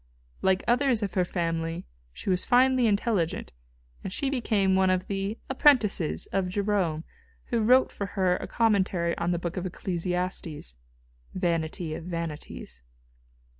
Like others of her family she was finely intelligent, and she became one of the "apprentices" of Jerome, who wrote for her a commentary on the book of Ecclesiastes, "Vanity of Vanities."